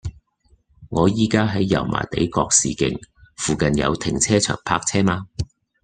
我依家喺油麻地覺士徑，附近有停車場泊車嗎